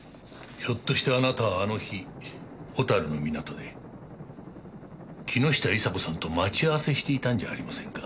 ひょっとしてあなたはあの日小樽の港で木下伊沙子さんと待ち合わせしていたんじゃありませんか？